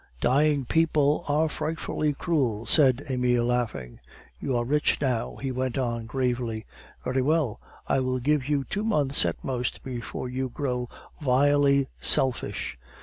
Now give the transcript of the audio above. "Dying people are frightfully cruel," said Emile, laughing. "You are rich now," he went on gravely; "very well, I will give you two months at most before you grow vilely selfish.